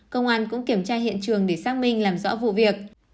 công an cũng kiểm tra hiện trường để xác minh làm rõ vụ việc